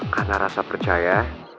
karena rasa percaya